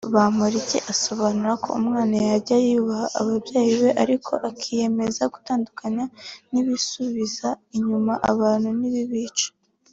Bamporiki asobanura ko umwana yajya yubaha ababyeyi be ariko akiyemeza gutandukana n’ibisubiza inyuma abantu n’ibibica